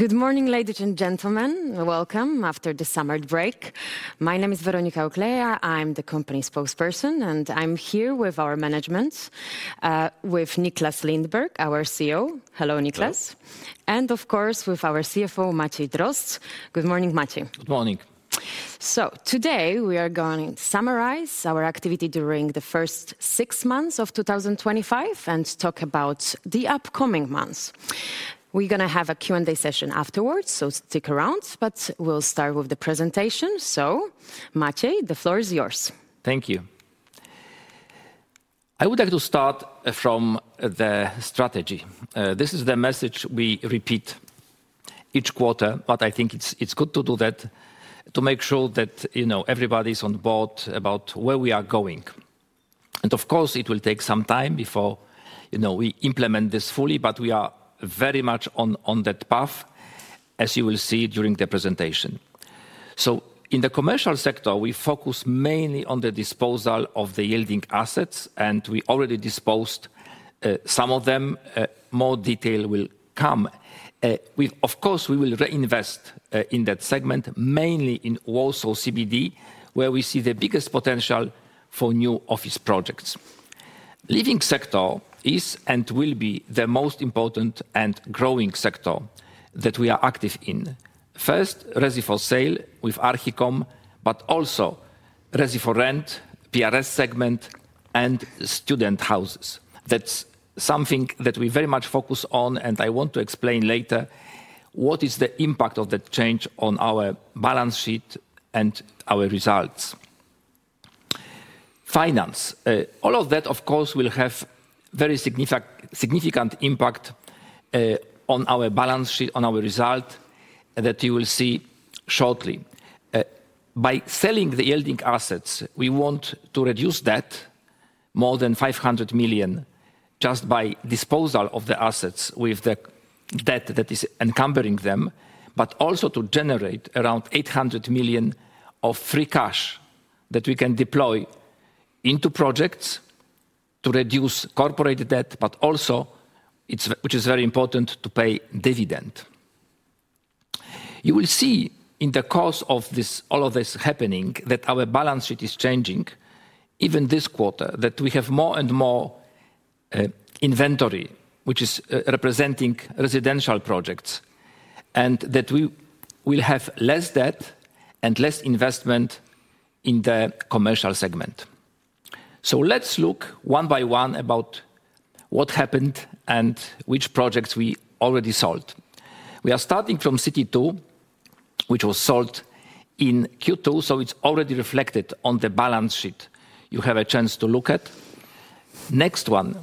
Good morning, ladies and gentlemen. Welcome after the summer break. My name is Weronika Ukleja-Sałak. I'm the company spokesperson, and I'm here with our management, with Niklas Lindberg, our CEO. Hello, Niklas. Of course, with our CFO, Matej Drozd, good morning, Matej. Good morning. Today we are going to summarize our activity during the first six months of 2025 and talk about the upcoming months. We're going to have a Q&A session afterwards, so stick around. We'll start with the presentation. Matej, the floor is yours. Thank you. I would like to start from the strategy. This is the message we repeat each quarter, but I think it's good to do that to make sure that, you know, everybody's on board about where we are going. Of course, it will take some time before, you know, we implement this fully, but we are very much on that path, as you will see during the presentation. In the commercial sector, we focus mainly on the disposal of the yielding assets, and we already disposed of some of them. More detail will come. We will reinvest in that segment, mainly in Warsaw CBD, where we see the biggest potential for new office projects. The living sector is and will be the most important and growing sector that we are active in. First, ready for sale with Archicom, but also ready for rent, PRS segment, and student houses. That's something that we very much focus on, and I want to explain later what is the impact of that change on our balance sheet and our results. Finance. All of that, of course, will have a very significant impact on our balance sheet, on our result that you will see shortly. By selling the yielding assets, we want to reduce that more than 500 million just by disposal of the assets with the debt that is encumbering them, but also to generate around 800 million of free cash that we can deploy into projects to reduce corporate debt, but also, which is very important, to pay dividend. You will see in the course of all of this happening that our balance sheet is changing even this quarter, that we have more and more inventory, which is representing residential projects, and that we will have less debt and less investment in the commercial segment. Let's look one by one about what happened and which projects we already sold. We are starting from City 2, which was sold in Q2, so it's already reflected on the balance sheet. You have a chance to look at it. The next one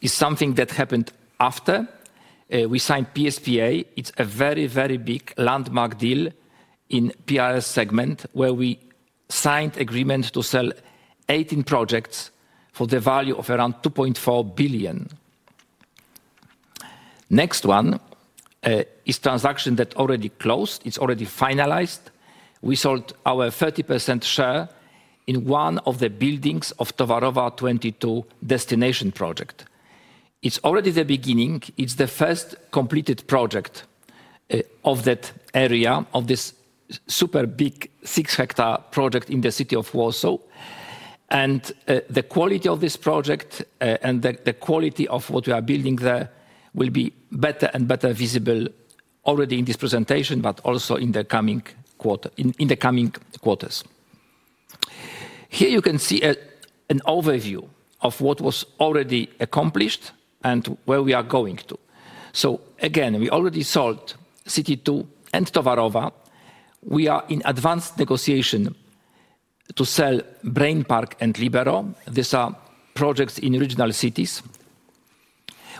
is something that happened after we signed PSGA. It's a very, very big landmark deal in the PRS segment where we signed an agreement to sell 18 projects for the value of around 2.4 billion. The next one is a transaction that already closed. It's already finalized. We sold our 30% share in one of the buildings of Towarowa 22 destination project. It's already the beginning. It's the first completed project of that area, of this super big six-hectare project in the city of Warsaw. The quality of this project and the quality of what we are building there will be better and better visible already in this presentation, but also in the coming quarters. Here you can see an overview of what was already accomplished and where we are going to. We already sold City 2 and Towarowa. We are in advanced negotiations to sell Brain Park and Libero. These are projects in regional cities.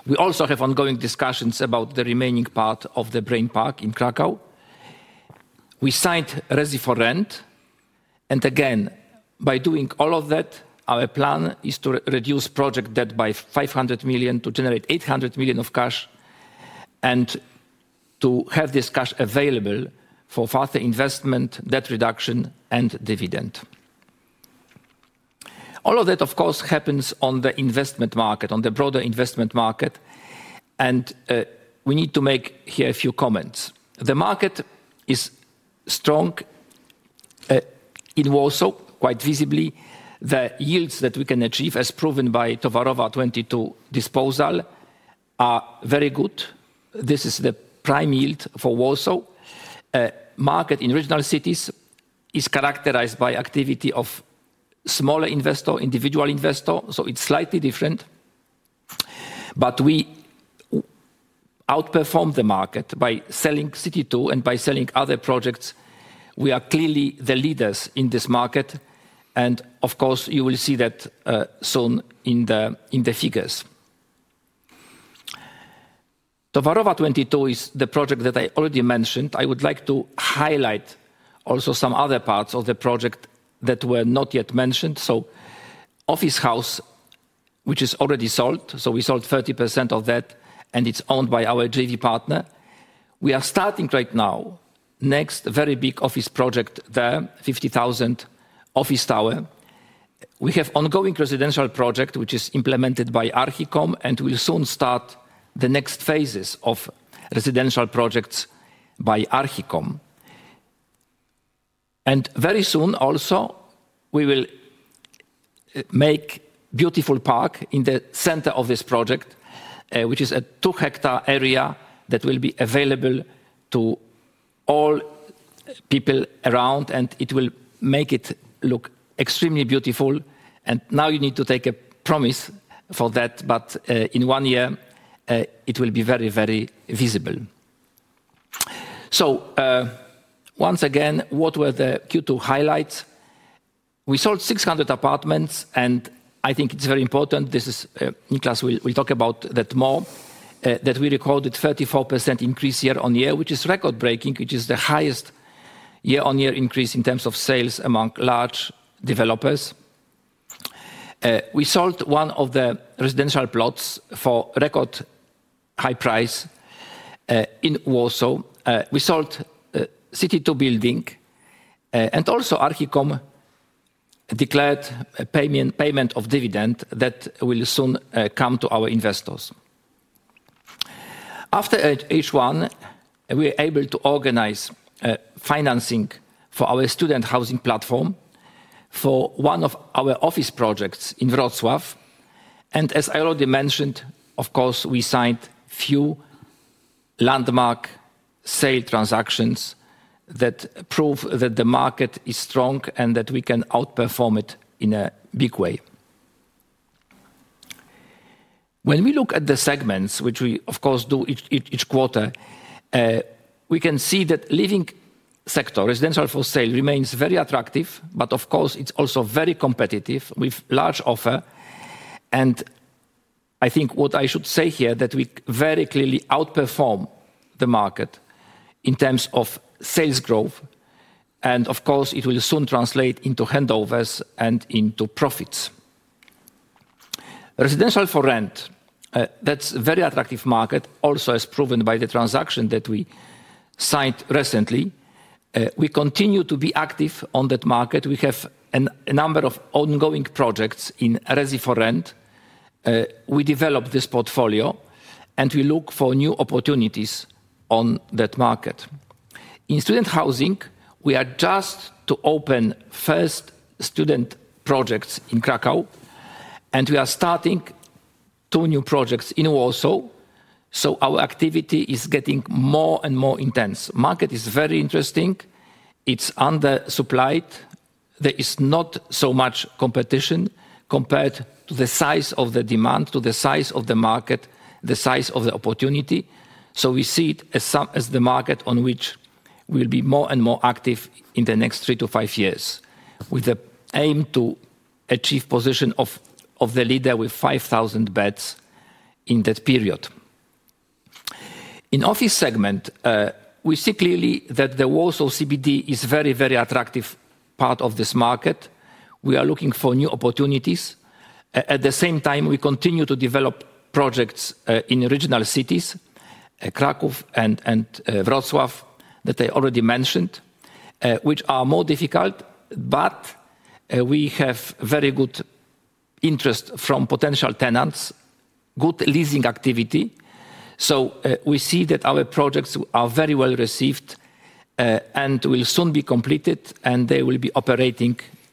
We also have ongoing discussions about the remaining part of the Brain Park in Kraków. We signed ready for rent. By doing all of that, our plan is to reduce project debt by 500 million, to generate 800 million of cash, and to have this cash available for further investment, debt reduction, and dividend. All of that, of course, happens on the investment market, on the broader investment market. We need to make here a few comments. The market is strong in Warsaw, quite visibly. The yields that we can achieve, as proven by Towarowa 22 disposal, are very good. This is the prime yield for Warsaw. The market in regional cities is characterized by the activity of smaller investors, individual investors, so it's slightly different. We outperformed the market by selling City 2 and by selling other projects. We are clearly the leaders in this market. You will see that soon in the figures. Towarowa 22 is the project that I already mentioned. I would like to highlight also some other parts of the project that were not yet mentioned. Office House, which is already sold, so we sold 30% of that, and it's owned by our JD partner. We are starting right now, next very big office project there, 50,000 office tower. We have an ongoing residential project, which is implemented by Archicom, and we'll soon start the next phases of residential projects by Archicom. Very soon also, we will make a beautiful park in the center of this project, which is a two-hectare area that will be available to all people around, and it will make it look extremely beautiful. You need to take a promise for that, but in one year, it will be very, very visible. Once again, what were the Q2 highlights? We sold 600 apartments, and I think it's very important. This is Niklas, we'll talk about that more, that we recorded a 34% increase year on year, which is record-breaking, which is the highest year-on-year increase in terms of sales among large developers. We sold one of the residential plots for a record high price in Warsaw. We sold the City 2 building, and also Archicom declared a payment of dividend that will soon come to our investors. After H1, we were able to organize financing for our student housing platform for one of our office projects in Wrocław. As I already mentioned, of course, we signed a few landmark sale transactions that prove that the market is strong and that we can outperform it in a big way. When we look at the segments, which we, of course, do each quarter, we can see that the living sector, residential for sale, remains very attractive. Of course, it's also very competitive with a large offer. I think what I should say here is that we very clearly outperformed the market in terms of sales growth. It will soon translate into handovers and into profits. Residential for rent, that's a very attractive market, also as proven by the transaction that we signed recently. We continue to be active on that market. We have a number of ongoing projects in ready for rent. We developed this portfolio, and we look for new opportunities on that market. In student housing, we are just to open the first student projects in Kraków, and we are starting two new projects in Warsaw. Our activity is getting more and more intense. The market is very interesting. It's undersupplied. There is not so much competition compared to the size of the demand, to the size of the market, the size of the opportunity. We see it as the market on which we will be more and more active in the next three to five years, with the aim to achieve the position of the leader with 5,000 beds in that period. In the office segment, we see clearly that the Warsaw CBD is a very, very attractive part of this market. We are looking for new opportunities. At the same time, we continue to develop projects in regional cities, Kraków and Wrocław,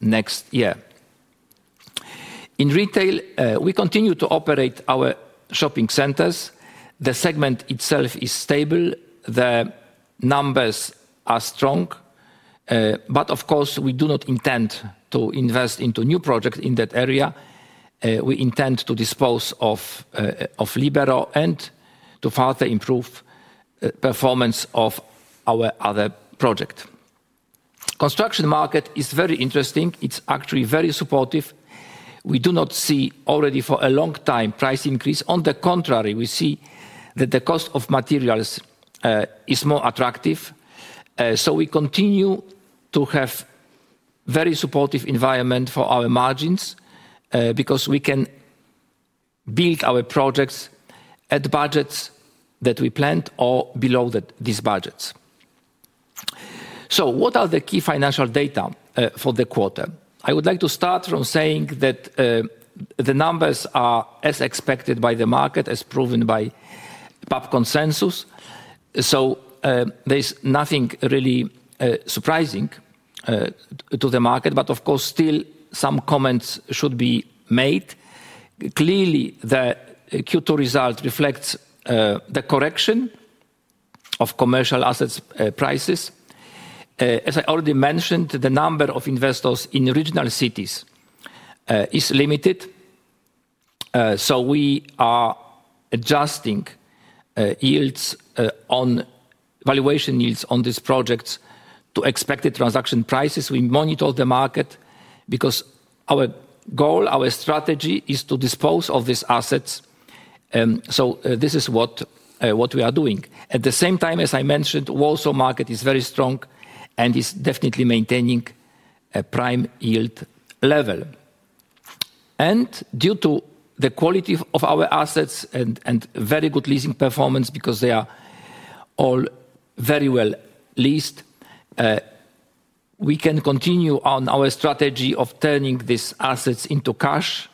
that I already mentioned, which are more difficult, but we have very good interest from potential tenants, good leasing activity. We see that our projects are very well received, and will soon be completed, and they will be operating next year. In retail, we continue to operate our shopping centers. The segment itself is stable. The numbers are strong. We do not intend to invest into new projects in that area. We intend to dispose of Libero and to further improve the performance of our other projects. The construction market is very interesting. It's actually very supportive. We do not see already for a long time a price increase. On the contrary, we see that the cost of materials is more attractive. We continue to have a very supportive environment for our margins because we can build our projects at budgets that we planned or below these budgets. What are the key financial data for the quarter? I would like to start from saying that the numbers are as expected by the market, as proven by the PAP consensus. There's nothing really surprising to the market, but of course, still some comments should be made. Clearly, the Q2 result reflects the correction of commercial assets prices. As I already mentioned, the number of investors in regional cities is limited. We are adjusting valuation yields on these projects to expected transaction prices. We monitor the market because our goal, our strategy, is to dispose of these assets. This is what we are doing. At the same time, as I mentioned, the Warsaw market is very strong and is definitely maintaining a prime yield level. Due to the quality of our assets and very good leasing performance because they are all very well leased, we can continue on our strategy of turning these assets into cash.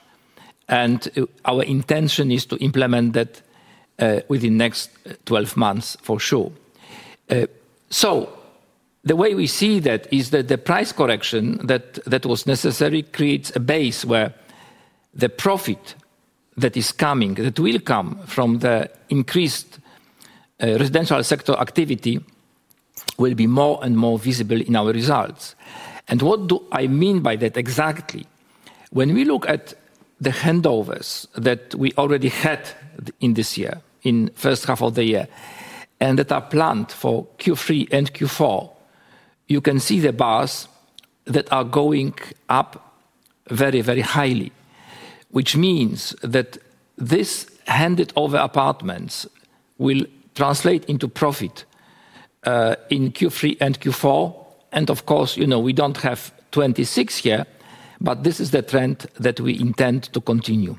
Our intention is to implement that within the next 12 months, for sure. The way we see that is that the price correction that was necessary creates a base where the profit that is coming, that will come from the increased residential sector activity, will be more and more visible in our results. What do I mean by that exactly? When we look at the handovers that we already had in this year, in the first half of the year, and that are planned for Q3 and Q4, you can see the bars that are going up very, very highly, which means that these handed-over apartments will translate into profit in Q3 and Q4. Of course, you know we don't have 2026 here, but this is the trend that we intend to continue.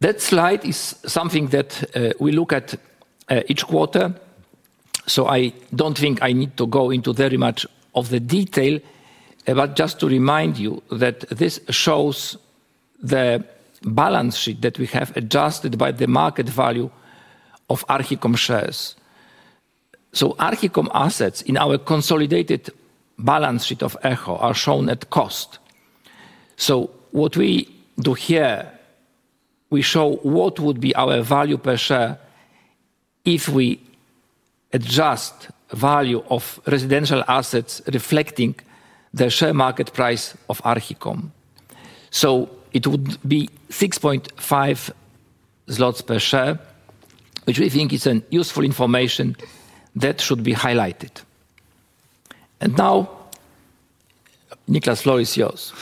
That slide is something that we look at each quarter. I don't think I need to go into very much of the detail, but just to remind you that this shows the balance sheet that we have adjusted by the market value of Archicom shares. Archicom assets in our consolidated balance sheet of Echo Investment are shown at cost. What we do here, we show what would be our value per share if we adjust the value of residential assets reflecting the share market price of Archicom. It would be 6.5 zlotys per share, which we think is useful information that should be highlighted. Niklas, the floor is yours.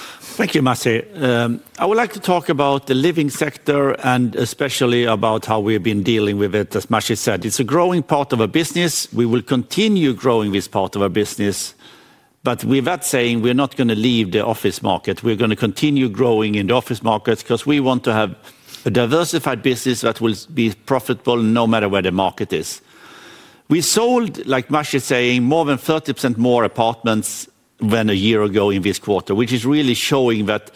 Thank you, Matej. I would like to talk about the living sector and especially about how we have been dealing with it. As Matej said, it's a growing part of our business. We will continue growing this part of our business. With that saying, we're not going to leave the office market. We're going to continue growing in the office markets because we want to have a diversified business that will be profitable no matter where the market is. We sold, like Matej is saying, more than 30% more apartments than a year ago in this quarter, which is really showing that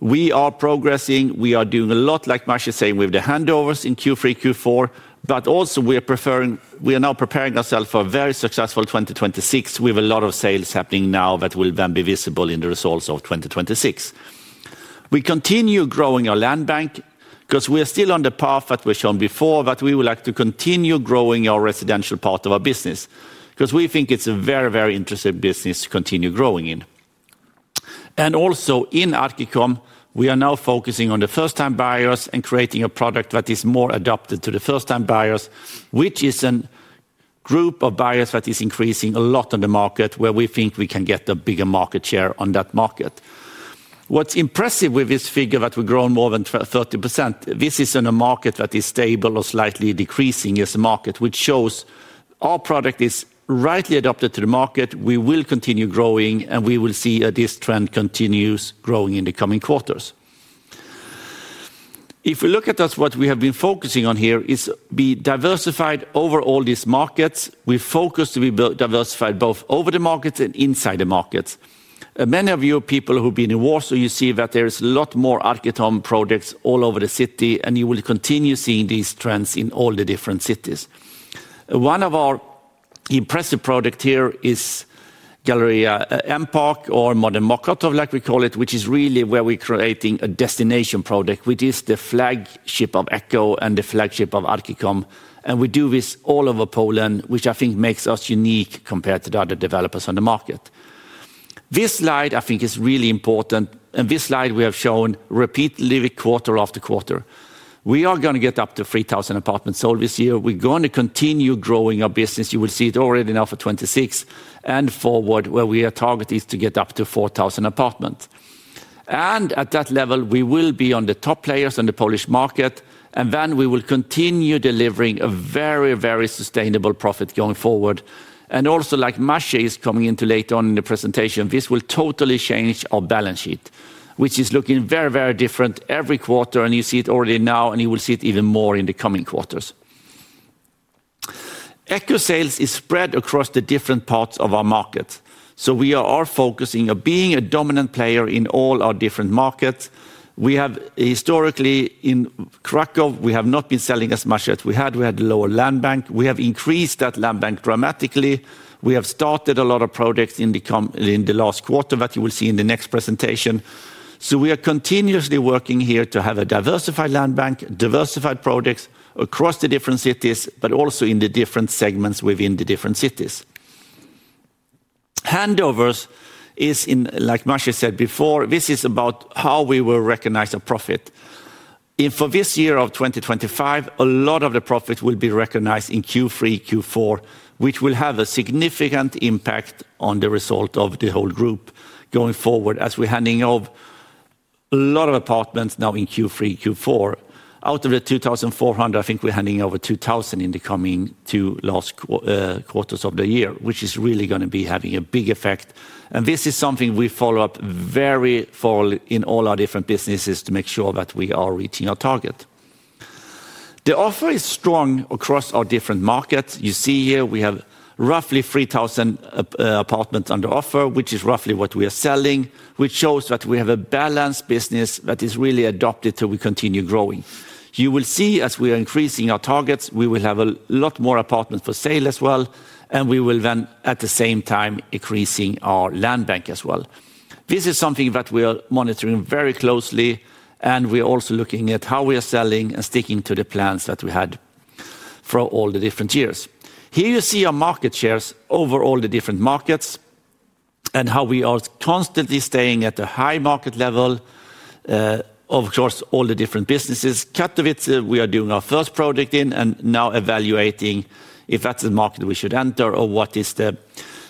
we are progressing. We are doing a lot, like Matej is saying, with the handovers in Q3, Q4. We are now preparing ourselves for a very successful 2026 with a lot of sales happening now that will then be visible in the results of 2026. We continue growing our land bank because we are still on the path that we've shown before. We would like to continue growing our residential part of our business because we think it's a very, very interesting business to continue growing in. Also in Archicom, we are now focusing on the first-time buyers and creating a product that is more adapted to the first-time buyers, which is a group of buyers that is increasing a lot on the market where we think we can get a bigger market share on that market. What's impressive with this figure that we've grown more than 30%, this is in a market that is stable or slightly decreasing as a market, which shows our product is rightly adapted to the market. We will continue growing, and we will see this trend continue growing in the coming quarters. If you look at us, what we have been focusing on here is being diversified over all these markets. We focus to be diversified both over the markets and inside the markets. Many of you, people who've been in Warsaw, you see that there are a lot more Archicom projects all over the city, and you will continue seeing these trends in all the different cities. One of our impressive projects here is Galleria M-Park or Modern Mokotow, like we call it, which is really where we're creating a destination project, which is the flagship of Echo and the flagship of Archicom. We do this all over Poland, which I think makes us unique compared to the other developers on the market. This slide is really important. This slide we have shown repeatedly quarter after quarter. We are going to get up to 3,000 apartments sold this year. We're going to continue growing our business. You will see it already now for 2026 and forward, where we are targeting is to get up to 4,000 apartments. At that level, we will be one of the top players in the Polish market. We will continue delivering a very, very sustainable profit going forward. Also, like Matej is coming into later on in the presentation, this will totally change our balance sheet, which is looking very, very different every quarter. You see it already now, and you will see it even more in the coming quarters. Echo Investment sales are spread across the different parts of our markets. We are focusing on being a dominant player in all our different markets. Historically, in Kraków, we have not been selling as much as we had. We had a lower land bank. We have increased that land bank dramatically. We have started a lot of projects in the last quarter that you will see in the next presentation. We are continuously working here to have a diversified land bank, diversified projects across the different cities, but also in the different segments within the different cities. Handovers, like Matej said before, this is about how we will recognize our profit. For this year of 2025, a lot of the profit will be recognized in Q3, Q4, which will have a significant impact on the result of the whole group going forward as we're handing over a lot of apartments now in Q3, Q4. Out of the 2,400, I think we're handing over 2,000 in the coming two last quarters of the year, which is really going to be having a big effect. This is something we follow up very thoroughly in all our different businesses to make sure that we are reaching our target. The offer is strong across our different markets. You see here, we have roughly 3,000 apartments under offer, which is roughly what we are selling, which shows that we have a balanced business that is really adapted to continue growing. As we are increasing our targets, we will have a lot more apartments for sale as well. We will then, at the same time, increase our land bank as well. This is something that we are monitoring very closely. We are also looking at how we are selling and sticking to the plans that we had for all the different years. Here you see our market shares over all the different markets and how we are constantly staying at a high market level. Of course, all the different businesses. Katowice, we are doing our first project in and now evaluating if that's a market we should enter or what is the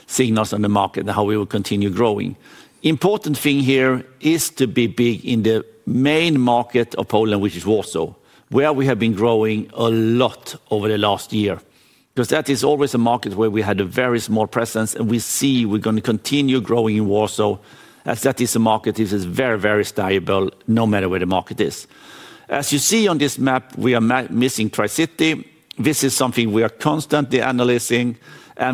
signals on the market and how we will continue growing. The important thing here is to be big in the main market of Poland, which is Warsaw, where we have been growing a lot over the last year. That is always a market where we had a very small presence, and we see we're going to continue growing in Warsaw as that is a market that is very, very stable no matter where the market is. As you see on this map, we are missing Tricity. This is something we are constantly analyzing.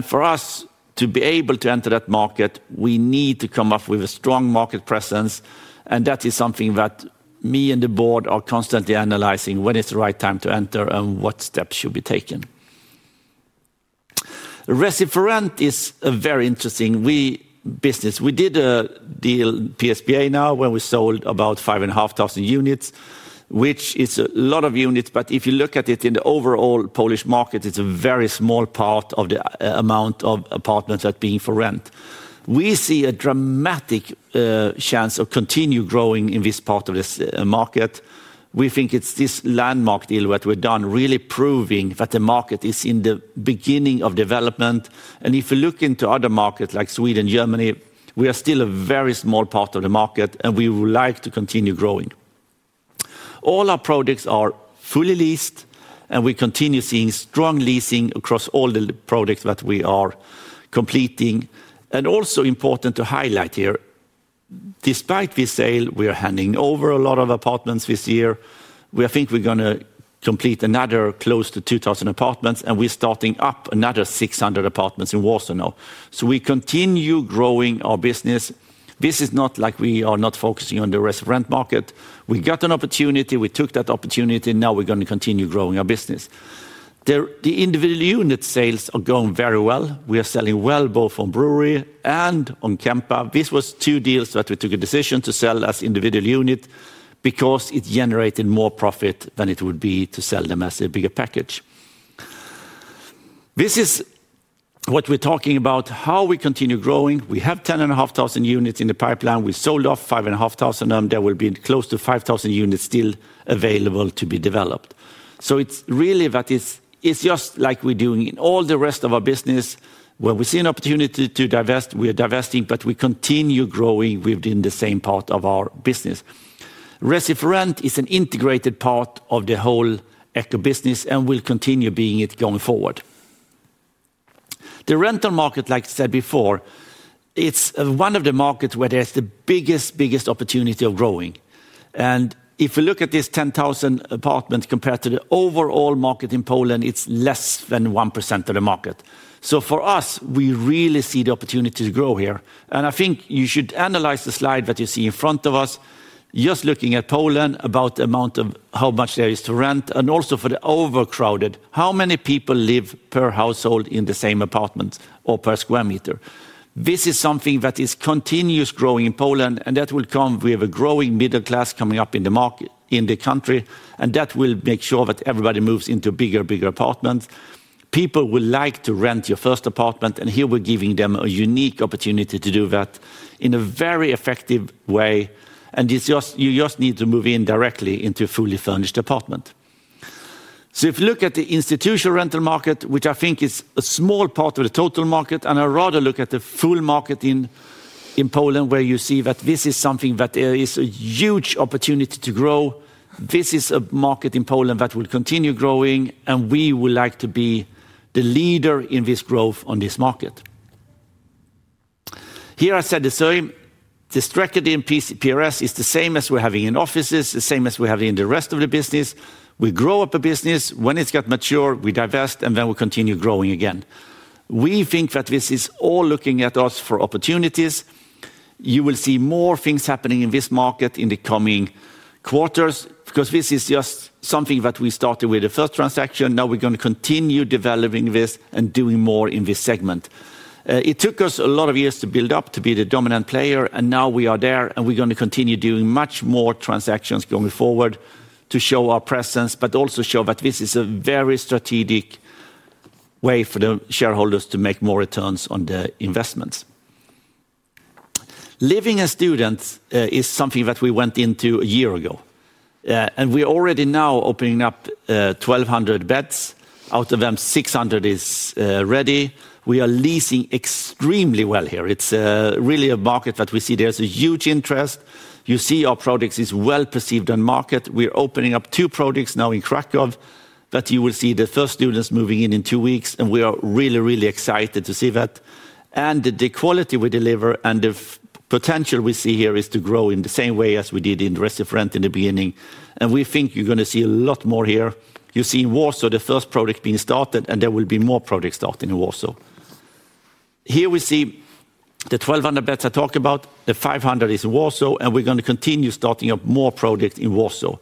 For us to be able to enter that market, we need to come up with a strong market presence. That is something that me and the board are constantly analyzing when it's the right time to enter and what steps should be taken. Ready for rent is a very interesting business. We did a deal with PSGA now where we sold about 5,500 units, which is a lot of units. If you look at it in the overall Polish market, it's a very small part of the amount of apartments that are being for rent. We see a dramatic chance of continuing growing in this part of this market. We think it's this landmark deal that we've done really proving that the market is in the beginning of development. If you look into other markets like Sweden, Germany, we are still a very small part of the market, and we would like to continue growing. All our projects are fully leased, and we continue seeing strong leasing across all the projects that we are completing. Also important to highlight here, despite this sale, we are handing over a lot of apartments this year. I think we're going to complete another close to 2,000 apartments, and we're starting up another 600 apartments in Warsaw now. We continue growing our business. This is not like we are not focusing on the residential market. We got an opportunity. We took that opportunity. Now we're going to continue growing our business. The individual unit sales are going very well. We are selling well both on Brewery and on Kempa. This was two deals that we took a decision to sell as individual units because it generated more profit than it would be to sell them as a bigger package. This is what we're talking about, how we continue growing. We have 10,500 units in the pipeline. We sold off 5,500 of them. There will be close to 5,000 units still available to be developed. It's really that it's just like we're doing in all the rest of our business. When we see an opportunity to divest, we are divesting, but we continue growing within the same part of our business. Ready for rent is an integrated part of the whole Echo Investment business and will continue being it going forward. The rental market, like I said before, it's one of the markets where there's the biggest, biggest opportunity of growing. If you look at this 10,000 apartments compared to the overall market in Poland, it's less than 1% of the market. For us, we really see the opportunity to grow here. I think you should analyze the slide that you see in front of us, just looking at Poland, about the amount of how much there is to rent, and also for the overcrowded, how many people live per household in the same apartment or per square meter. This is something that is continuous growing in Poland, and that will come with a growing middle class coming up in the market in the country. That will make sure that everybody moves into bigger, bigger apartments. People will like to rent your first apartment, and here we're giving them a unique opportunity to do that in a very effective way. You just need to move in directly into a fully furnished apartment. If you look at the institutional rental market, which I think is a small part of the total market, I'd rather look at the full market in Poland, where you see that this is something that there is a huge opportunity to grow. This is a market in Poland that will continue growing, and we would like to be the leader in this growth on this market. Here I said the same. The tracking in PRS is the same as we're having in offices, the same as we're having in the rest of the business. We grow up a business. When it's got mature, we divest, and then we continue growing again. We think that this is all looking at us for opportunities. You will see more things happening in this market in the coming quarters because this is just something that we started with the first transaction. Now we're going to continue developing this and doing more in this segment. It took us a lot of years to build up to be the dominant player, and now we are there, and we're going to continue doing much more transactions going forward to show our presence, but also show that this is a very strategic way for the shareholders to make more returns on the investments. Living as students is something that we went into a year ago. We're already now opening up 1,200 beds. Out of them, 600 is ready. We are leasing extremely well here. It's really a market that we see there's a huge interest. You see our projects are well perceived in the market. We're opening up two projects now in Kraków. You will see the first students moving in in two weeks, and we are really, really excited to see that. The quality we deliver and the potential we see here is to grow in the same way as we did in Residential Rent in the beginning. We think you're going to see a lot more here. You see in Warsaw the first project being started, and there will be more projects starting in Warsaw. Here we see the 1,200 beds I talked about. The 500 is in Warsaw, and we're going to continue starting up more projects in Warsaw.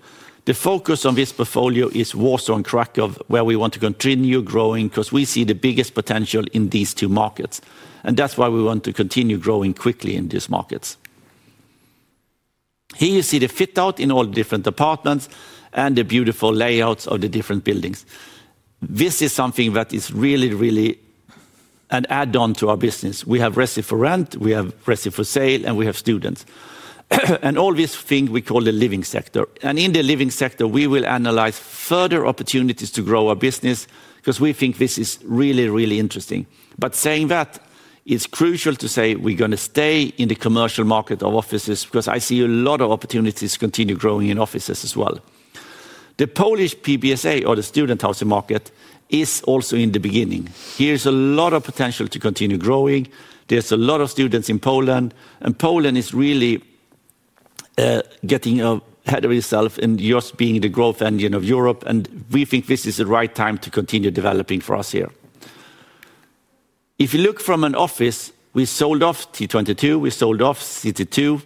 The focus on this portfolio is Warsaw and Kraków, where we want to continue growing because we see the biggest potential in these two markets. That's why we want to continue growing quickly in these markets. Here you see the fit out in all the different apartments and the beautiful layouts of the different buildings. This is something that is really, really an add-on to our business. We have Ready for Rent, we have Ready for Sale, and we have Students. All these things we call the living sector. In the living sector, we will analyze further opportunities to grow our business because we think this is really, really interesting. It is crucial to say we're going to stay in the commercial market of offices because I see a lot of opportunities to continue growing in offices as well. The Polish PBSA, or the student housing market, is also in the beginning. There's a lot of potential to continue growing. There's a lot of students in Poland, and Poland is really getting ahead of itself and just being the growth engine of Europe. We think this is the right time to continue developing for us here. If you look from an office, we sold off Towarowa 22, we sold off City 2.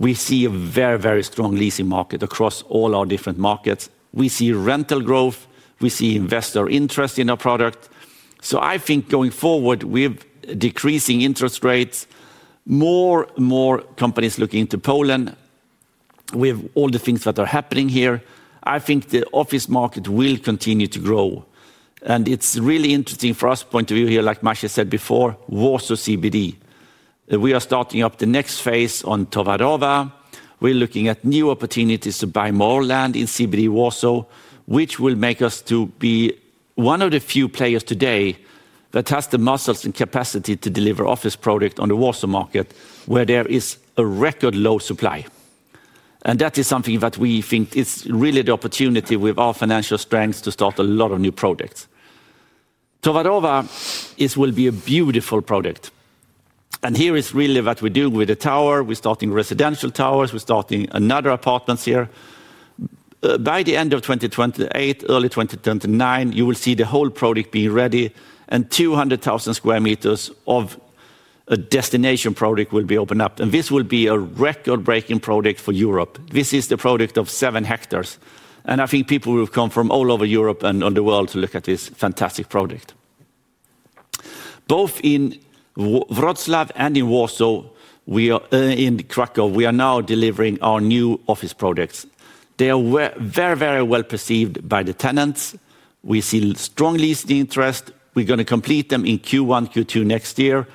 We see a very, very strong leasing market across all our different markets. We see rental growth. We see investor interest in our product. I think going forward with decreasing interest rates, more and more companies looking into Poland with all the things that are happening here, I think the office market will continue to grow. It's really interesting from our point of view here, like Matej said before, Warsaw CBD. We are starting up the next phase on Towarowa. We're looking at new opportunities to buy more land in CBD Warsaw, which will make us be one of the few players today that has the muscles and capacity to deliver office projects on the Warsaw market where there is a record low supply. That is something that we think is really the opportunity with our financial strengths to start a lot of new projects. Towarowa will be a beautiful project. Here is really what we do with the tower. We're starting residential towers. We're starting another apartment here. By the end of 2028, early 2029, you will see the whole project being ready, and 200,000 square meters of a destination project will be opened up. This will be a record-breaking project for Europe. This is the project of seven hectares. I think people will come from all over Europe and the world to look at this fantastic project. Both in Wrocław and in Kraków, we are now delivering our new office projects. They are very, very well perceived by the tenants. We see strong leasing interest. We're going to complete them in Q1, Q2 next year.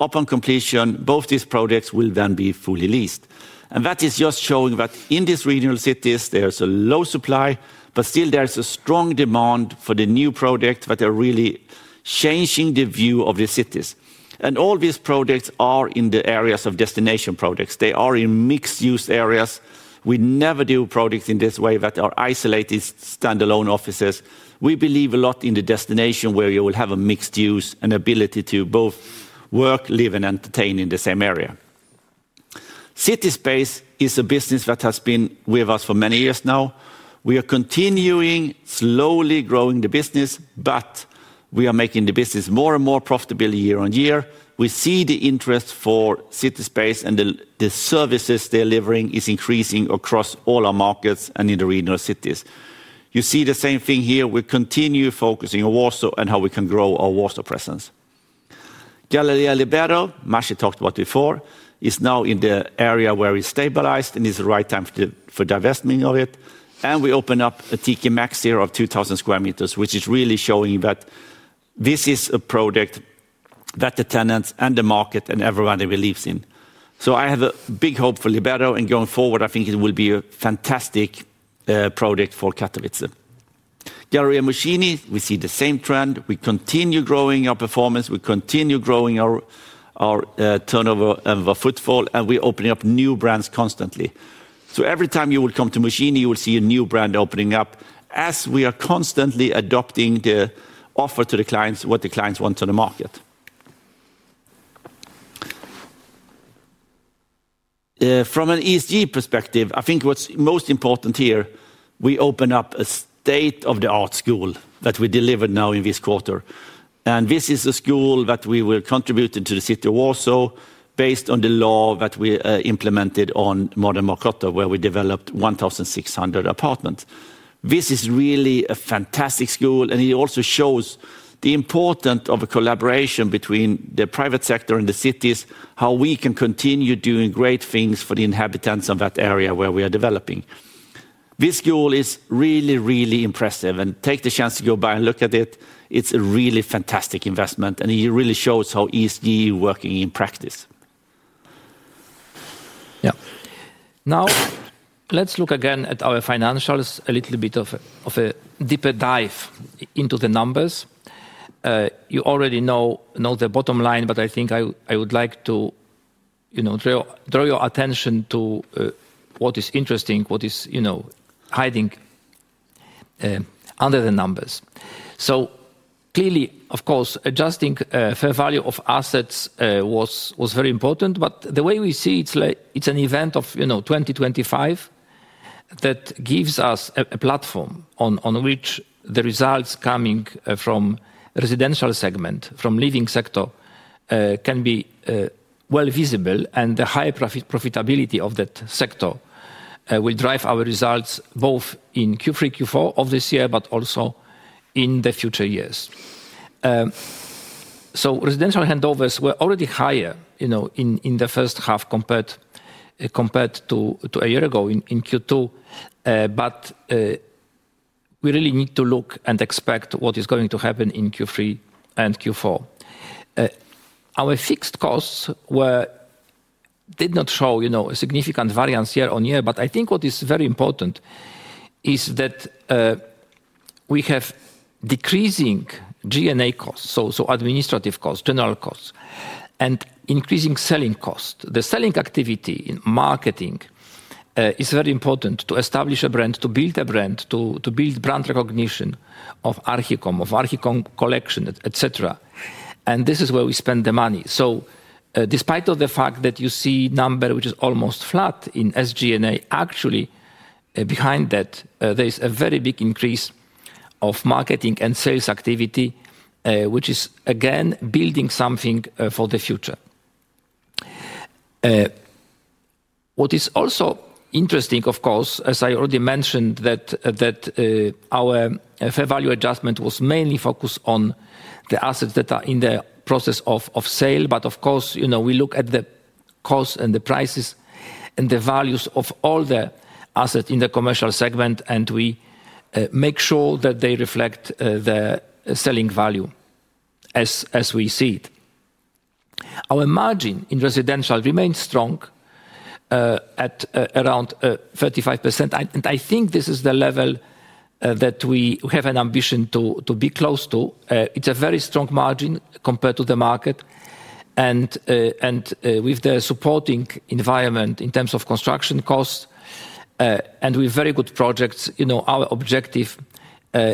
Upon completion, both these projects will then be fully leased. That is just showing that in these regional cities, there's a low supply, but still there's a strong demand for the new projects that are really changing the view of the cities. All these projects are in the areas of destination projects. They are in mixed-use areas. We never do projects in this way that are isolated, standalone offices. We believe a lot in the destination where you will have a mixed-use and ability to both work, live, and entertain in the same area. City Space is a business that has been with us for many years now. We are continuing slowly growing the business, but we are making the business more and more profitable year on year. We see the interest for City Space and the services they're delivering is increasing across all our markets and in the regional cities. You see the same thing here. We continue focusing on Warsaw and how we can grow our Warsaw presence. Galleria Libero, as Matej talked about before, is now in the area where it's stabilized and is the right time for divestment of it. We opened up a TK Maxx here of 2,000 square meters, which is really showing that this is a project that the tenants and the market and everyone believes in. I have a big hope for Libero. Going forward, I think it will be a fantastic project for Katowice. Galleria Mucini. We see the same trend. We continue growing our performance. We continue growing our turnover and our footfall, and we open up new brands constantly. Every time you will come to Mucini, you will see a new brand opening up as we are constantly adapting the offer to the clients, what the clients want on the market. From an ESG perspective, I think what's most important here, we opened up a state-of-the-art school that we delivered now in this quarter. This is a school that we will contribute to the city of Warsaw based on the law that we implemented on Modern Mokoto, where we developed 1,600 apartments. This is really a fantastic school, and it also shows the importance of a collaboration between the private sector and the cities, how we can continue doing great things for the inhabitants of that area where we are developing. This school is really, really impressive. Take the chance to go by and look at it. It's a really fantastic investment, and it really shows how ESG is working in practice. Now, let's look again at our financials, a little bit of a deeper dive into the numbers. You already know the bottom line, but I think I would like to draw your attention to what is interesting, what is hiding under the numbers. Clearly, of course, adjusting the fair value of assets was very important. The way we see it, it's an event of 2025 that gives us a platform on which the results coming from the residential segment, from the living sector, can be well visible, and the higher profitability of that sector will drive our results both in Q3, Q4 of this year, but also in the future years. Residential handovers were already higher in the first half compared to a year ago in Q2. We really need to look and expect what is going to happen in Q3 and Q4. Our fixed costs did not show significant variance year on year, but I think what is very important is that we have decreasing GNA costs, so administrative costs, general costs, and increasing selling costs. The selling activity in marketing is very important to establish a brand, to build a brand, to build brand recognition of Archicom, of Archicom collection, et cetera. This is where we spend the money. Despite all the fact that you see a number which is almost flat in SGNA, actually, behind that, there is a very big increase of marketing and sales activity, which is, again, building something for the future. What is also interesting, of course, as I already mentioned, that our fair value adjustment was mainly focused on the assets that are in the process of sale. Of course, we look at the costs and the prices and the values of all the assets in the commercial segment, and we make sure that they reflect the selling value as we see it. Our margin in residential remains strong at around 35%. I think this is the level that we have an ambition to be close to. It's a very strong margin compared to the market. With the supporting environment in terms of construction costs and with very good projects, our objective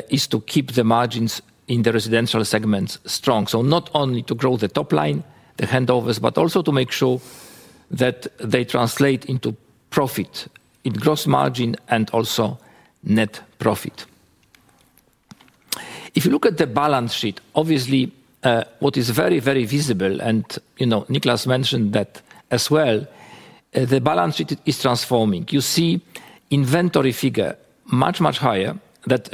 is to keep the margins in the residential segments strong, not only to grow the top line handovers, but also to make sure that they translate into profit in gross margin and also net profit. If you look at the balance sheet, obviously, what is very, very visible, and Niklas mentioned that as well, the balance sheet is transforming. You see an inventory figure much, much higher that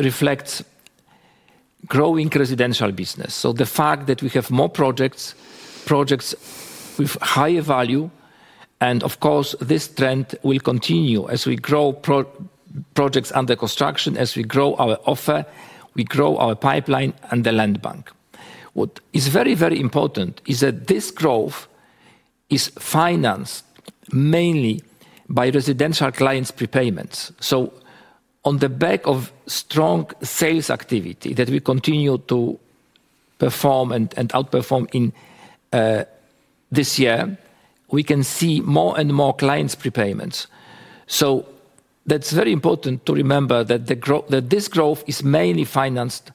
reflects growing residential business. The fact that we have more projects, projects with higher value, and of course, this trend will continue as we grow projects under construction, as we grow our offer, we grow our pipeline and the land bank. What is very, very important is that this growth is financed mainly by residential clients' prepayments. On the back of strong sales activity that we continue to perform and outperform in this year, we can see more and more clients' prepayments. That's very important to remember that this growth is mainly financed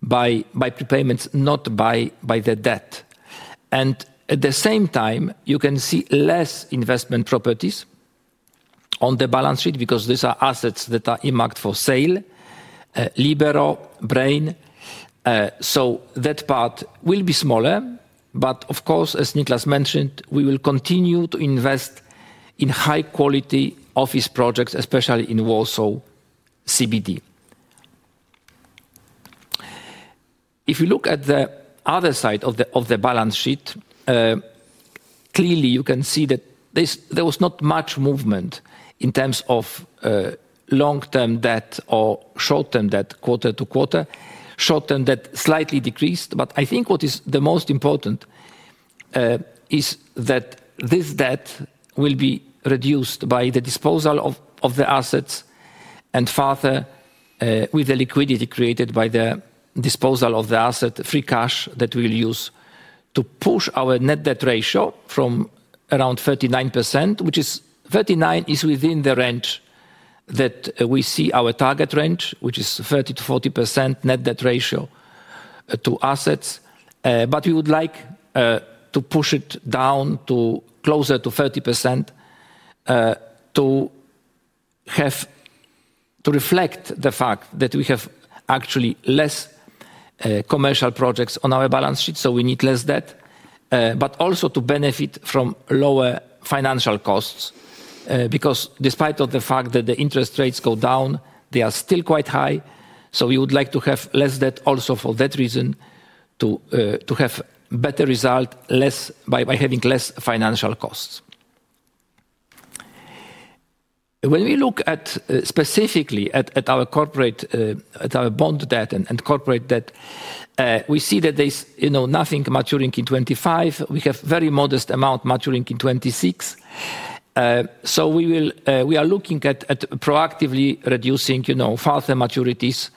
by prepayments, not by the debt. At the same time, you can see less investment properties on the balance sheet because these are assets that are in market for sale: Libero, Brain. That part will be smaller. Of course, as Niklas mentioned, we will continue to invest in high-quality office projects, especially in Warsaw CBD. If you look at the other side of the balance sheet, clearly, you can see that there was not much movement in terms of long-term debt or short-term debt quarter to quarter. Short-term debt slightly decreased. I think what is the most important is that this debt will be reduced by the disposal of the assets and further with the liquidity created by the disposal of the assets, free cash that we will use to push our net debt ratio from around 39%, which is 39% is within the range that we see our target range, which is 30% to 40% net debt ratio to assets. We would like to push it down to closer to 30% to reflect the fact that we have actually less commercial projects on our balance sheet. We need less debt, but also to benefit from lower financial costs because despite the fact that the interest rates go down, they are still quite high. We would like to have less debt also for that reason to have a better result by having less financial costs. When we look specifically at our corporate bond debt and corporate debt, we see that there's nothing maturing in 2025. We have a very modest amount maturing in 2026. We are looking at proactively reducing further maturities.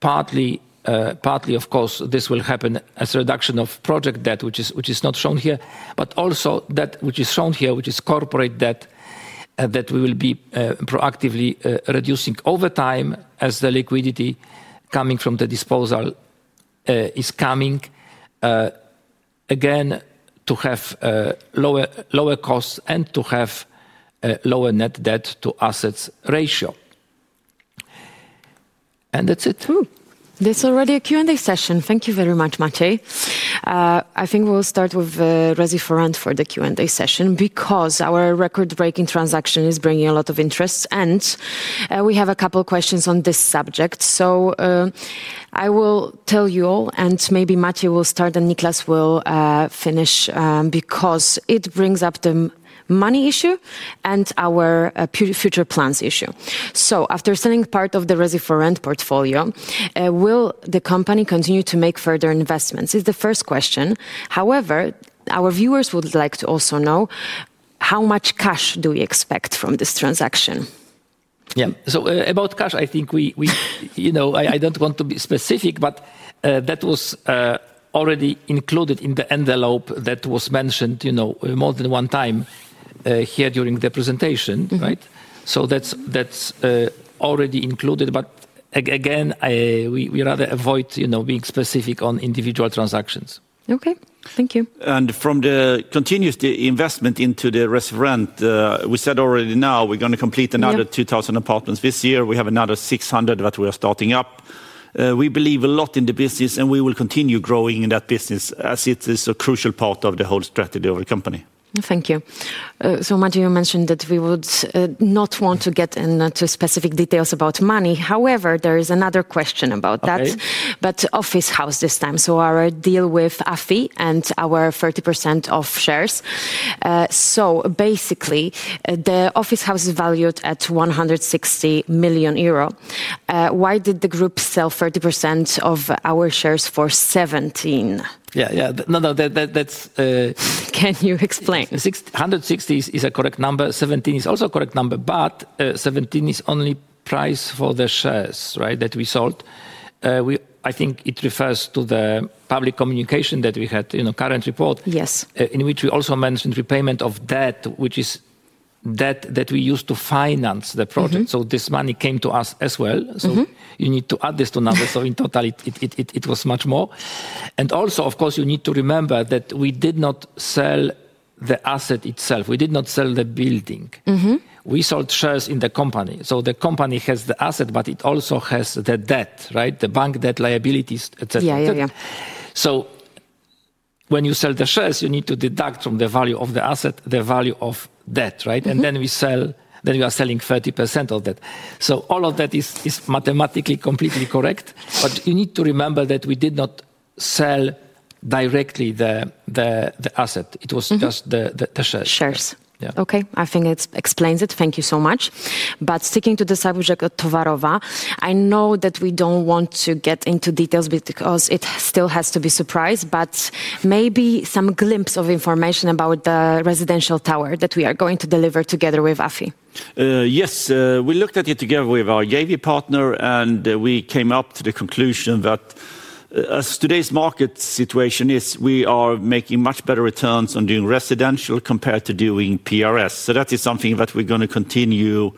Partly, of course, this will happen as a reduction of project debt, which is not shown here, but also that which is shown here, which is corporate debt that we will be proactively reducing over time as the liquidity coming from the disposal is coming, again, to have lower costs and to have lower net debt-to-assets ratio. That's it. There's already a Q&A session. Thank you very much, Matej. I think we'll start with Residential Rent for the Q&A session because our record-breaking transaction is bringing a lot of interest, and we have a couple of questions on this subject. I will tell you all, and maybe Matej will start and Niklas will finish because it brings up the money issue and our future plans issue. After selling part of the Residential Rent portfolio, will the company continue to make further investments? This is the first question. However, our viewers would like to also know how much cash do we expect from this transaction? Yeah. About cash, I think we, you know, I don't want to be specific, but that was already included in the envelope that was mentioned, you know, more than one time here during the presentation, right? That's already included. Again, we rather avoid, you know, being specific on individual transactions. OK, thank you. From the continuous investment into the residential rent, we said already now we're going to complete another 2,000 apartments this year. We have another 600 that we are starting up. We believe a lot in the business, and we will continue growing in that business as it is a crucial part of the whole strategy of the company. Thank you. Matej, you mentioned that we would not want to get into specific details about money. However, there is another question about that, this time about office house. Our deal with Afi and our 30% of shares. Basically, the office house is valued at €160 million. Why did the group sell 30% of our shares for €17 million? Yeah, that's. Can you explain? 160 is a correct number. 17 is also a correct number, but 17 is only price for the shares, right, that we sold. I think it refers to the public communication that we had, you know, current report, in which we also mentioned repayment of debt, which is debt that we used to finance the project. This money came to us as well. You need to add this to numbers. In total, it was much more. You need to remember that we did not sell the asset itself. We did not sell the building. We sold shares in the company. The company has the asset, but it also has the debt, right? The bank debt, liabilities, et cetera. Yeah, yeah. When you sell the shares, you need to deduct from the value of the asset the value of debt, right? You are selling 30% of that. All of that is mathematically completely correct, but you need to remember that we did not sell directly the asset. It was just the shares. Shares. Yeah. OK. I think it explains it. Thank you so much. Sticking to the subject of Towarowa, I know that we don't want to get into details because it still has to be a surprise, but maybe some glimpse of information about the residential tower that we are going to deliver together with Afi. Yes. We looked at it together with our JV partner, and we came up to the conclusion that as today's market situation is, we are making much better returns on doing residential compared to doing PRS. That is something that we're going to continue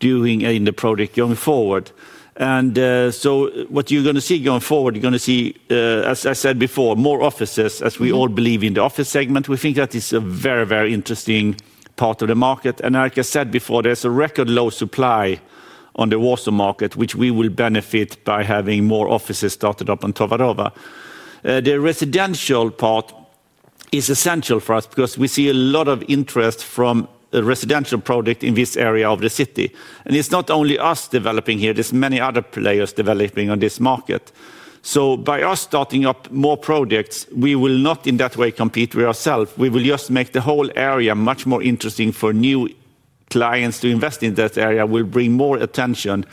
doing in the project going forward. What you're going to see going forward, you're going to see, as I said before, more offices as we all believe in the office segment. We think that is a very, very interesting part of the market. Like I said before, there's a record low supply on the Warsaw market, which we will benefit by having more offices started up on Towarowa. The residential part is essential for us because we see a lot of interest from a residential project in this area of the city. It's not only us developing here. There are many other players developing on this market. By us starting up more projects, we will not in that way compete with ourselves. We will just make the whole area much more interesting for new clients to invest in that area. We'll bring more attention.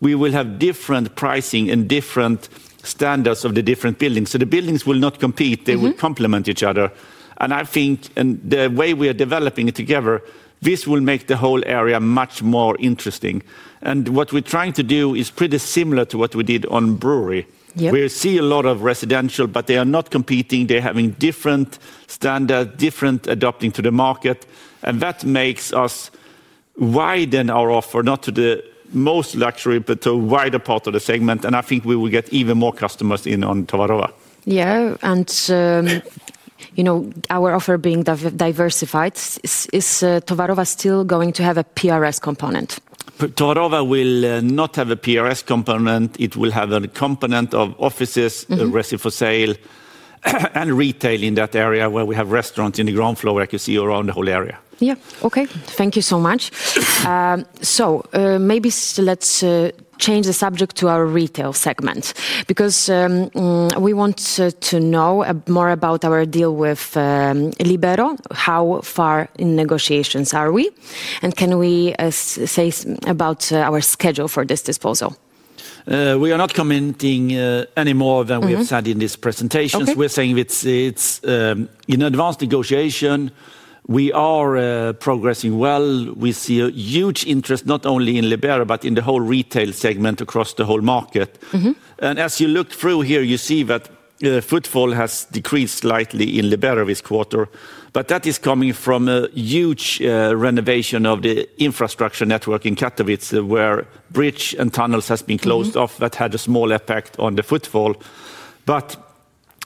We will have different pricing and different standards of the different buildings. The buildings will not compete. They will complement each other. I think the way we are developing it together, this will make the whole area much more interesting. What we're trying to do is pretty similar to what we did on Brewery. We see a lot of residential, but they are not competing. They're having different standards, different adapting to the market. That makes us widen our offer not to the most luxury, but to a wider part of the segment. I think we will get even more customers in on Towarowa. Yeah, our offer being diversified, is Towarowa still going to have a PRS component? Towarowa will not have a PRS component. It will have a component of offices, residential for sale, and retail in that area where we have restaurants on the ground floor, like you see around the whole area. OK. Thank you so much. Maybe let's change the subject to our retail segment because we want to know more about our deal with Libero. How far in negotiations are we? Can we say about our schedule for this disposal? We are not commenting any more than we have said in this presentation. We're saying it's in advanced negotiation. We are progressing well. We see a huge interest not only in Libero, but in the whole retail segment across the whole market. As you look through here, you see that the footfall has decreased slightly in Libero this quarter. That is coming from a huge renovation of the infrastructure network in Katowice, where bridge and tunnels have been closed off that had a small impact on the footfall.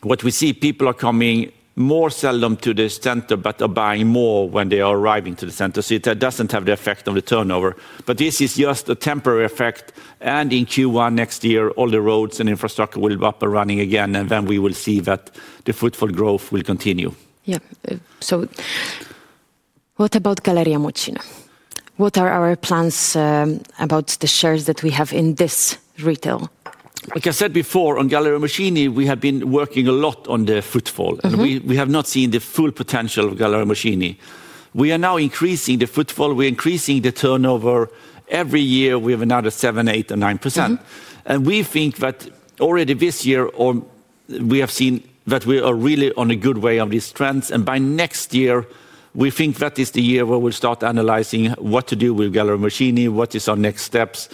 What we see, people are coming more seldom to the center, but are buying more when they are arriving to the center. It doesn't have the effect on the turnover. This is just a temporary effect. In Q1 next year, all the roads and infrastructure will be up and running again. We will see that the footfall growth will continue. Yeah. What about Galleria Mucini? What are our plans about the shares that we have in this retail? Like I said before, on Galleria Mucini, we have been working a lot on the footfall. We have not seen the full potential of Galleria Mucini. We are now increasing the footfall, increasing the turnover. Every year, we have another 7%, 8%, or 9%. We think that already this year, we have seen that we are really on a good way on these trends. By next year, we think that is the year where we'll start analyzing what to do with Galleria Mucini, what are our next steps,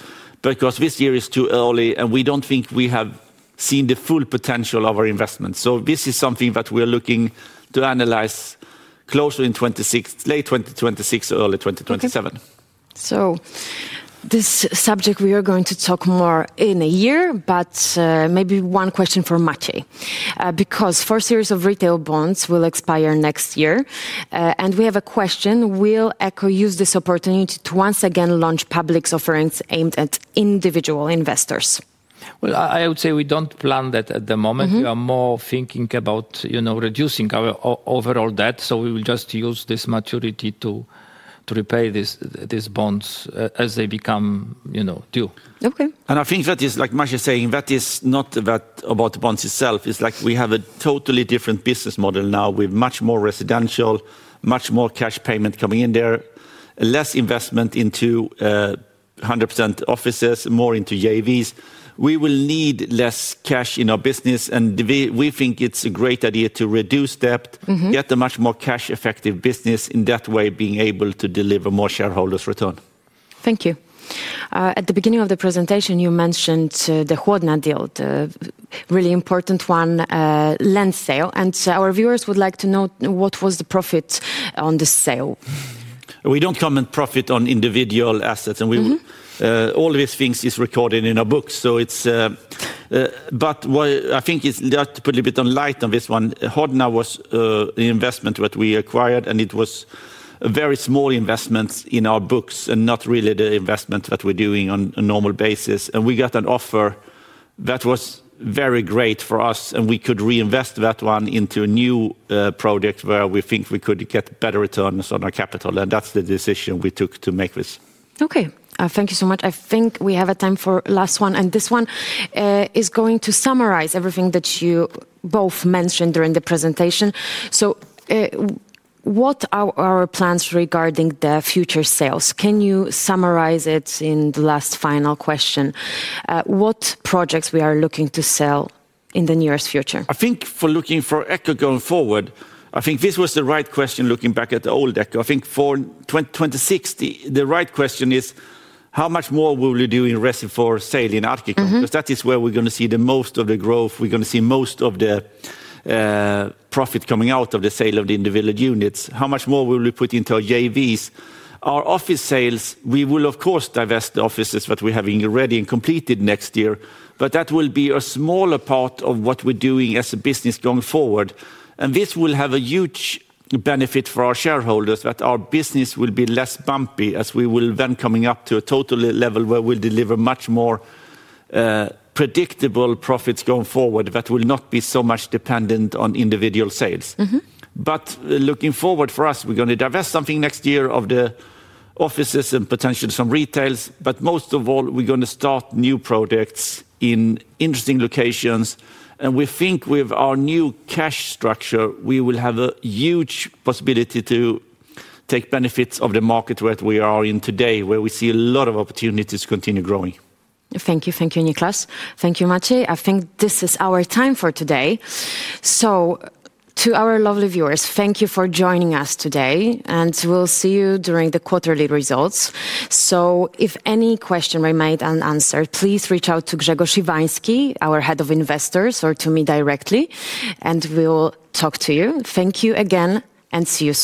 because this year is too early, and we don't think we have seen the full potential of our investments. This is something that we are looking to analyze closer in late 2026 or early 2027. This subject, we are going to talk more in a year, but maybe one question for Matej because a first series of retail bonds will expire next year. We have a question. Will Echo use this opportunity to once again launch public offerings aimed at individual investors? We don't plan that at the moment. We are more thinking about reducing our overall debt. We will just use this maturity to repay these bonds as they become due. OK. I think that is like Matej is saying, that is not about the bonds itself. It's like we have a totally different business model now with much more residential, much more cash payment coming in there, less investment into 100% offices, more into JVs. We will need less cash in our business. We think it's a great idea to reduce debt, get a much more cash-effective business in that way, being able to deliver more shareholders' return. Thank you. At the beginning of the presentation, you mentioned the Hodna deal, the really important one, land sale. Our viewers would like to know what was the profit on this sale. We don't comment profit on individual assets. All these things are recorded in our books. I think it's to put a little bit of light on this one. Hodna was an investment that we acquired, and it was a very small investment in our books, not really the investment that we're doing on a normal basis. We got an offer that was very great for us, and we could reinvest that one into a new project where we think we could get better returns on our capital. That's the decision we took to make this. OK. Thank you so much. I think we have time for the last one. This one is going to summarize everything that you both mentioned during the presentation. What are our plans regarding the future sales? Can you summarize it in the last final question? What projects are we looking to sell in the nearest future? I think for looking for Echo going forward, I think this was the right question looking back at the old Echo. I think for 2026, the right question is how much more will we do in residential for sale in Archicom? That is where we're going to see the most of the growth. We're going to see most of the profit coming out of the sale of the individual units. How much more will we put into our JVs? Our office sales, we will, of course, divest the offices that we're having ready and completed next year. That will be a smaller part of what we're doing as a business going forward. This will have a huge benefit for our shareholders that our business will be less bumpy as we will then come up to a total level where we'll deliver much more predictable profits going forward that will not be so much dependent on individual sales. Looking forward for us, we're going to divest something next year of the offices and potentially some retails. Most of all, we're going to start new projects in interesting locations. We think with our new cash structure, we will have a huge possibility to take benefits of the market that we are in today, where we see a lot of opportunities to continue growing. Thank you. Thank you, Niklas. Thank you, Matej. I think this is our time for today. To our lovely viewers, thank you for joining us today. We'll see you during the quarterly results. If any question remains unanswered, please reach out to Grzegorz Iwański, our Head of Investors, or to me directly. We'll talk to you. Thank you again and see you.